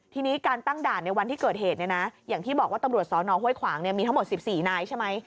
ทีนี้การตั้งด่านในวันที่เกิดเหตุเนี่ยนะอย่างที่บอกว่าตำรวจสนห้วยขวางมีทั้งหมด๑๔นายใช่ไหม